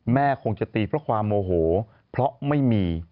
คงจะตีเพราะความโมโหเพราะไม่มี